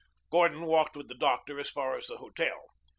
Gordon walked with the doctor as far as the hotel.